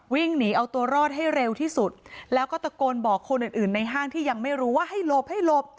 วิ่งหนีเอาตัวรอดให้เร็วที่สุดแล้วก็ตะโกนบอกคนอื่นอื่นในห้างที่ยังไม่รู้ว่าให้หลบให้หลบ